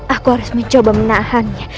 aku harus mencoba menahannya